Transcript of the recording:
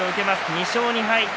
２勝２敗。